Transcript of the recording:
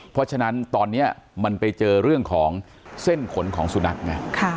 เพราะฉะนั้นตอนนี้มันไปเจอเรื่องของเส้นขนของสุนัขไง